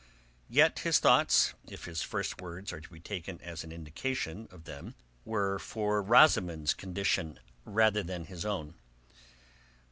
Yet his thoughts, if his first words are to be taken as an indication of them were for Rosamund's condition rather than his own.